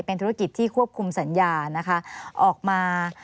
เป็นธุรกิจที่ควบคุมสัญญานะคะออกมา